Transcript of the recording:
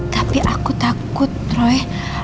tapi aku takut roy